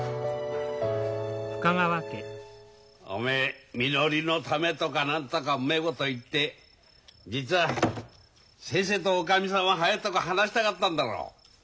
おめえみのりのためとか何とかうめえこと言って実は先生とおかみさんを早いとこ離したかったんだろう。